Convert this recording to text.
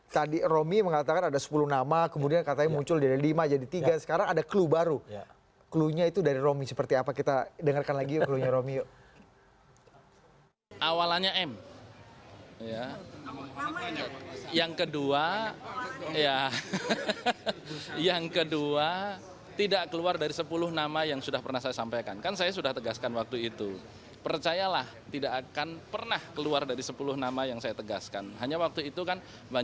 jelang penutupan pendaftaran